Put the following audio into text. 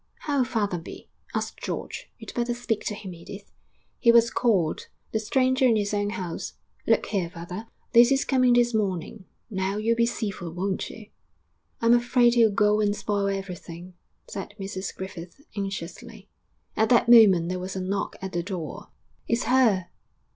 'How'll father be?' asked George. 'You'd better speak to him, Edith.' He was called, the stranger in his own house. 'Look here, father, Daisy's coming this morning. Now, you'll be civil, won't you?' 'I'm afraid he'll go and spoil everything,' said Mrs Griffith, anxiously. At that moment there was a knock at the door. 'It's her!'